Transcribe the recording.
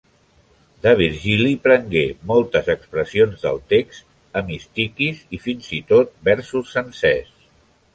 De Virgili prengué moltes expressions del text, hemistiquis i, fins i tot, versos sencers.